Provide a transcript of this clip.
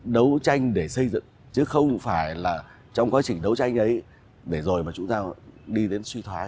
đấu tranh để xây dựng chứ không phải là trong quá trình đấu tranh ấy để rồi mà chúng ta đi đến suy thoái